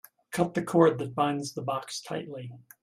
Cut the cord that binds the box tightly.